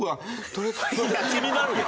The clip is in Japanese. いや気になるよ！